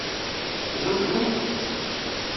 Tennudmemt?